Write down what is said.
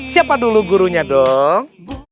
siapa dulu gurunya dong